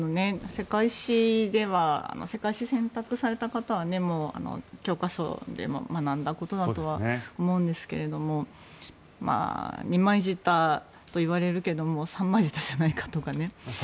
世界史では世界史選択された方は教科書でも学んだことだと思うんですけど二枚舌といわれるけれども三枚舌じゃないかとかね。